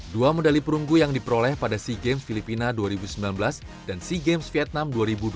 dua medali perunggu yang diperoleh pada sea games filipina dua ribu sembilan belas dan sea games vietnam dua ribu dua puluh